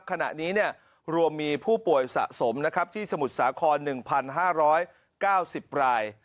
ขณะนี้รวมมีผู้ป่วยสะสมนะครับที่สมุทรสาคร๑๕๙๐ราย